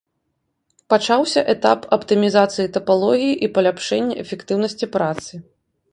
Пачаўся этап аптымізацыі тапалогіі і паляпшэння эфектыўнасці працы.